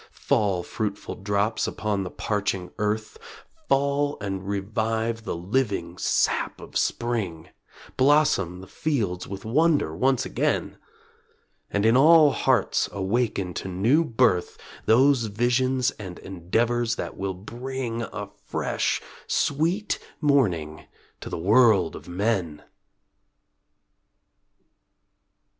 Fall, fruitful drops, upon the parching earth, Fall, and revive the living sap of spring; Blossom the fields with wonder once again! And, in all hearts, awaken to new birth Those visions and endeavors that will bring A fresh, sweet morning to the world of men!